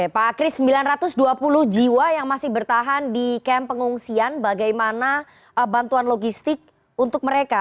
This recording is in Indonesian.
pak kris sembilan ratus dua puluh jiwa yang masih bertahan di kamp pengungsian bagaimana bantuan logistik untuk mereka